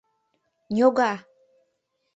— Ньога!